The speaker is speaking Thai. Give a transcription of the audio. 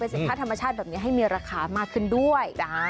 สินค้าธรรมชาติแบบนี้ให้มีราคามากขึ้นด้วย